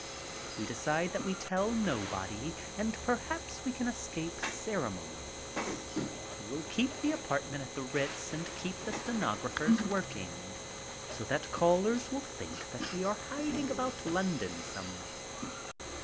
We decide that we tell no body and perhaps we can escape ceremonies. We will keep the apartment at the Ritz and keep the stenographers work ing, so that callers will think that we are hiding about London somewhere.